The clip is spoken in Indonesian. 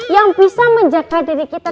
yang bisa menjaga diri kita